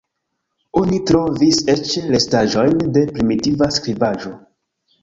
Oni trovis eĉ restaĵojn de primitiva skribaĵo.